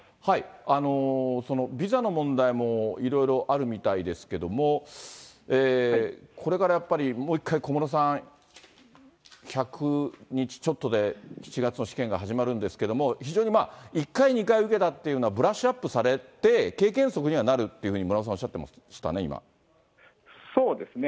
ビザの問題もいろいろあるみたいですけれども、これからやっぱりもう一回、小室さん、１００日ちょっとで７月の試験が始まるんですけれども、非常に１回、２回受けたっていうのは、ブラッシュアップされて、経験則にはなるというふうに村尾さん、そうですね。